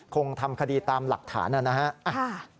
คงทำคดีตามหลักฐานนะครับ